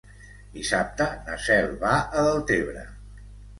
Dissabte na Cel va a Deltebre.